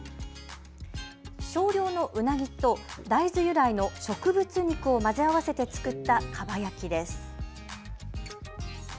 少量のうなぎと大豆由来の植物肉を混ぜ合わせて作ったかば焼きです。